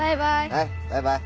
はいバイバイ。